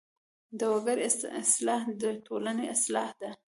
د وګړي اصلاح د ټولنې اصلاح ده.